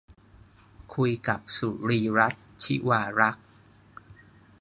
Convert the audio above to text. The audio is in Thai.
คุยกับ สุรีย์รัตน์ ชิวารักษ์